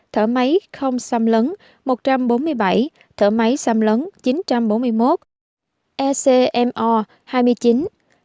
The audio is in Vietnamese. thở máy không xăm lấn một trăm bốn mươi bảy thở máy xăm lấn